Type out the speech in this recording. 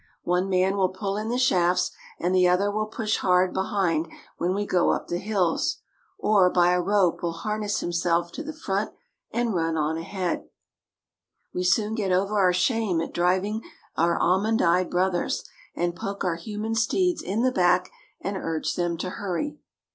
One man will pull in the shafts, and the other will push hard behind when we go up the hills, or by a rope will har ness himself to the front and run on ahead. We soon get 78 JAPAN over our shame at driving our almond eyed brothers, and poke our human steeds in the back and urge them to hurry.